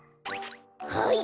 はい！